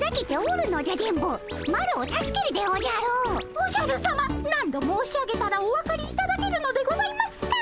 おじゃるさま何度申し上げたらお分かりいただけるのでございますか。